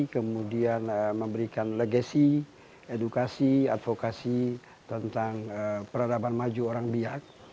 kemudian memberikan legasi edukasi advokasi tentang peradaban maju orang biak